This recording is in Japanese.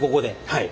はい。